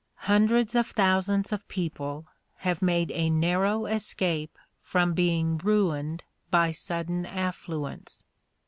Hundreds of thousands of people have made a narrow escape from being ruined by sudden affluence.